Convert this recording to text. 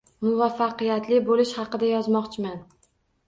Muvaffaqiyatli bo’lish haqida yozmoqchiman